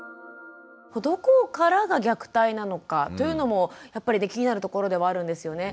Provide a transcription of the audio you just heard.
どこからが虐待なのかというのもやっぱり気になるところではあるんですよね。